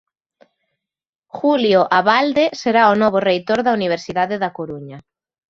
Julio Abalde será o novo reitor da Universidade da Coruña.